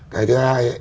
cái thứ hai